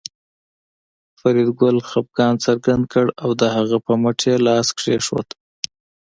فریدګل خپګان څرګند کړ او د هغه په مټ یې لاس کېښود